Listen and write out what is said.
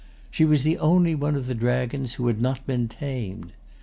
She was the only one of the dragons who had not been tamed.